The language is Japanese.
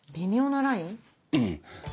うん。